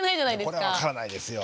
これ分からないですよ。